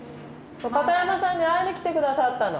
片山さんに会いに来て下さったの。